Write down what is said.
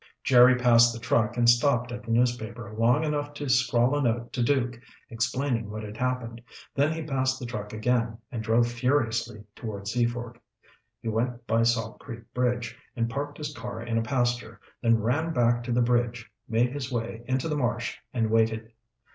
Jerry passed the truck and stopped at the newspaper long enough to scrawl a note to Duke, explaining what had happened, then he passed the truck again and drove furiously toward Seaford. He went by Salt Creek Bridge and parked his car in a pasture, then ran back to the bridge, made his way into the marsh and waited.